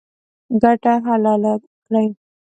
ګټه حلاله کړئ